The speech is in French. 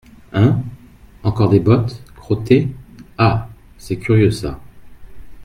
Hein !… encore des bottes !… crottées !… ah ! c’est curieux, ça !